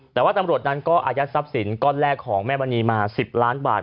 แต่ว่าตำรวจนั้นก็อายัดทรัพย์สินก้อนแรกของแม่มณีมา๑๐ล้านบาท